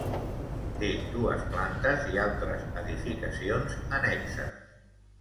Té dues plantes i altres edificacions annexes.